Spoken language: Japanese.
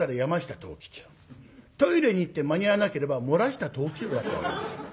トイレに行って間に合わなければ漏らした藤吉郎だったわけです。